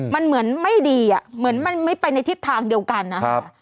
มันเหมือนไม่ดีอ่ะเหมือนมันไม่ไปในทิศทางเดียวกันนะครับ